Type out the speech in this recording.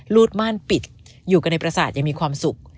รูดม่านปิดอยู่กันในประสาทยังมีความสุข